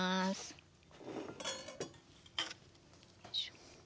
よいしょ。